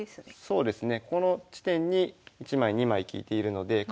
そうですね。